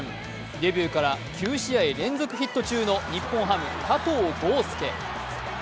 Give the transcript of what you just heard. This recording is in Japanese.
デビューから９試合連続ヒット中の日本ハム・加藤豪将。